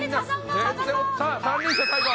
さあ三輪車最後。